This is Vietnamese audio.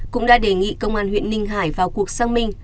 cũng đã đề nghị công an huyện ninh hải vào cuộc xác minh